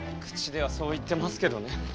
口ではそう言ってますけどね。